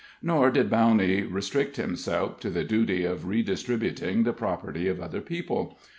Nor did Bowney restrict himself to the duty of redistributing the property of other people.